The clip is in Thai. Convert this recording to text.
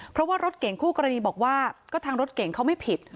เพราะว่ารถเก่งคู่กรณีบอกว่าก็ทางรถเก่งเขาไม่ผิด